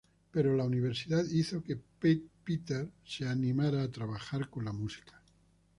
Pero la universidad hizo que Pete se anima a trabajar con la música.